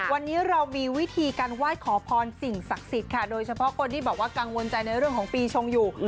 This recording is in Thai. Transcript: วันนี้เรามีวิธีการไหว้ขอพรสิ่งศักดิ์สิทธิ์ค่ะโดยเฉพาะคนที่บอกว่ากังวลใจในเรื่องของปีชงอยู่